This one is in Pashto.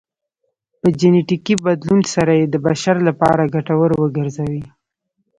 په جنیټیکي بدلون سره یې د بشر لپاره ګټور وګرځوي